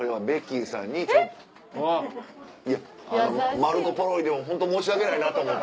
『マルコポロリ！』でもホント申し訳ないなと思って。